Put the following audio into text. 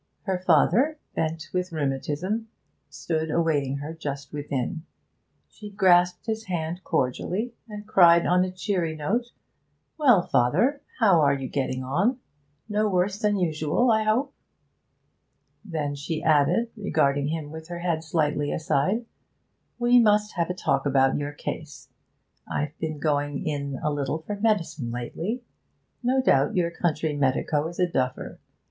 Her father, bent with rheumatism, stood awaiting her just within. She grasped his hand cordially, and cried on a cheery note, 'Well, father, how are you getting on? No worse than usual, I hope?' Then she added, regarding him with her head slightly aside, 'We must have a talk about your case. I've been going in a little for medicine lately. No doubt your country medico is a duffer.